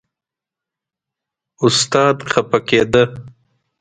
استاد خپه کېده.